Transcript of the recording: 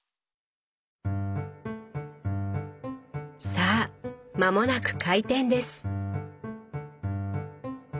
さあ間もなく開店です！